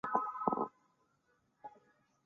我已经陷入悲哀的轮回